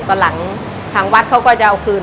ตอนหลังทางวัดเขาก็จะเอาคืน